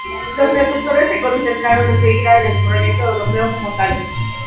Los redactores se concentraron enseguida en el proyecto europeo como tal.